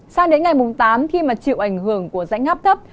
sang đến ngày tám khi chịu ảnh hưởng của rãnh ngắp thấp